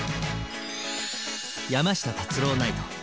「山下達郎ナイト！」